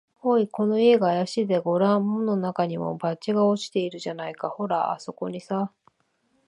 「おい、この家があやしいぜ。ごらん、門のなかにも、バッジが落ちているじゃないか。ほら、あすこにさ」